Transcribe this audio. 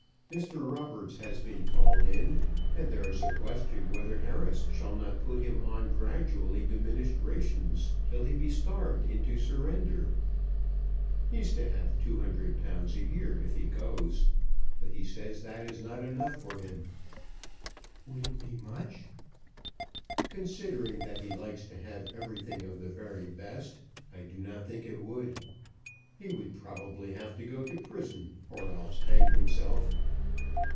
Mr. Roberts has been called in, and there is a question whether Harris shall not put him on gradually diminished rations till he be starved into surrender. He's to have £200 a year if he goes, but he says that it is not enough for him." "Would it be much?" "Considering that he likes to have everything of the very best I do not think it would. He would probably have to go to prison or else hang himself."